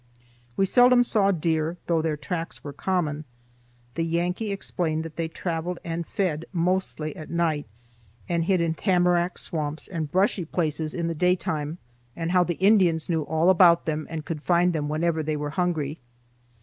We seldom saw deer, though their tracks were common. The Yankee explained that they traveled and fed mostly at night, and hid in tamarack swamps and brushy places in the daytime, and how the Indians knew all about them and could find them whenever they were hungry.